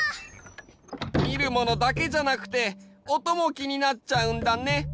みるものだけじゃなくておともきになっちゃうんだね。